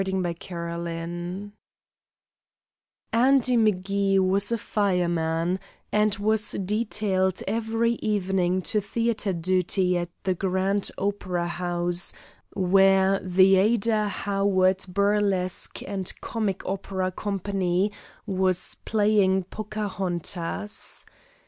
ANDY M'GEE'S CHORUS GIRL Andy M'Gee was a fireman, and was detailed every evening to theatre duty at the Grand Opera House, where the Ada Howard Burlesque and Comic Opera Company was playing "Pocahontas."